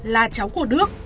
là cháu của đức